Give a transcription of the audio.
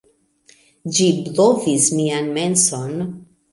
Ĝi blovis mian menson.